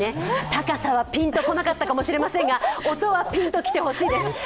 高さはピンとこなかったかもしれませんが、音はピンと来てほしいです。